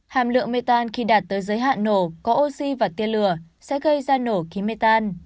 hàm lượng metan khi đạt tới giới hạn nổ có oxy và tiên lửa sẽ gây ra nổ khí mê tan